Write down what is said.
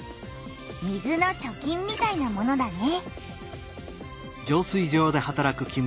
「水の貯金」みたいなものだね。